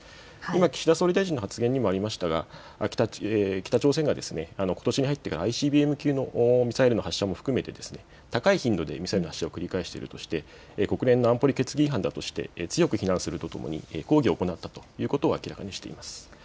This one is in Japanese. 岸田総理大臣の発言にもありましたが北朝鮮がことしに入ってＩＣＢＭ級のミサイルの発射も含めて高い頻度でミサイルの発射を繰り返しているとして国連の安保理決議違反だとして強く非難するとともに抗議を行ったということを明らかにしています。